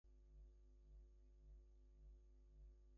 It has a heavy yellow bill and a pointed black tail.